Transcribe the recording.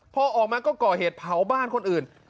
พอออกมาก็ก่อเหตุเผาบ้านคนอื่น